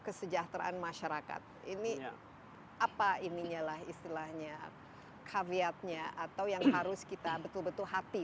kesejahteraan masyarakat ini apa inilah istilahnya caveatnya atau yang harus kita betul betul hati